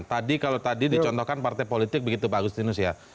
tadi kalau tadi dicontohkan partai politik begitu pak agustinus ya